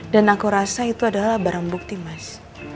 dan aku rasa itu adalah barang bukti mas